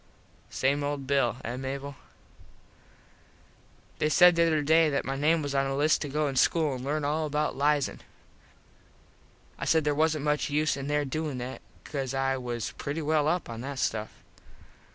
Same old Bill, eh Mable? They said the other day that my name was on a list to go to school an learn all about liason. I said there wasnt much use in there doin that cause I was pretty well up on that stuff.